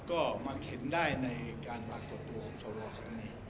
ก็มาเข็นได้ในการปรากฏตัวของสวครั้งนี้